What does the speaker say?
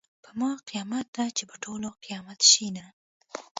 په ما قیامت ده چې په ټولو قیامت شینه .